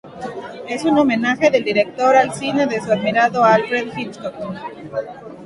Es un homenaje del director al cine de su admirado Alfred Hitchcock.